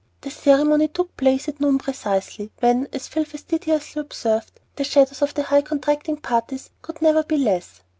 The ceremony took place at noon precisely, when, as Phil facetiously observed, "the shadows of the high contracting parties could never be less."